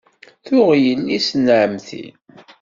Yuɣ yelli-s n ɛemmti.